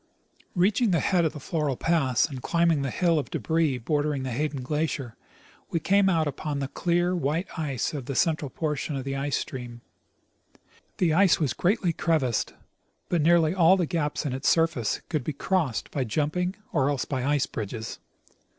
Reaching the head of the Floral pass and climbing the hill of debris bordering the Hayden glacier, we came out upon the clear, white ice of the central portion of the ice stream. The ice was greatly crevassed, but nearly all the gaps in its surface could be crossed by jumping or else by ice bridges.